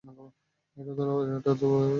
এটা এতটা লজ্জাজনক।